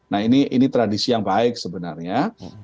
nah ini tradisi yang baik sebenarnya